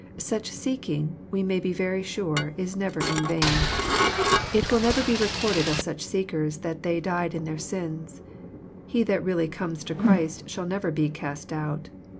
Such seeking, we may be very sure, is never in vain. It will never be recorded of such seekers, that they " died in their sins." He that really comes to Christ shall never be " cast out."